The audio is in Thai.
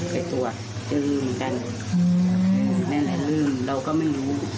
ไปตรวจเจอแล้วเหมือนกันแม่แหละลืมเราก็ไม่รู้